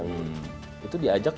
pembuatan kursi panas dki satu